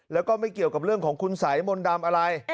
แล้วก็ไม่เกี่ยวกับเรื่องของคุณสัยมนต์ดำอะไร